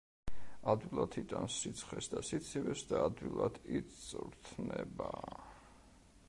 ადვილად იტანს სიცხეს და სიცივეს და ადვილად იწვრთნება.